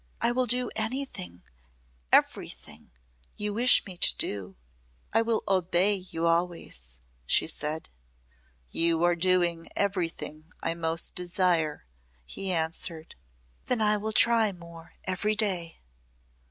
"I will do anything everything you wish me to do. I will obey you always," she said. "You are doing everything I most desire," he answered. "Then I will try more every day."